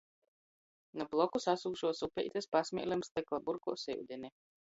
Nu blokus asūšuos upeitis pasmēlem stykla burkuos iudini.